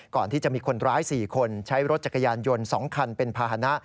ก่อนที่จะมีคนร้าย๔คนใช้รถจักรยานยนต์๒คันเป็นภาษณะ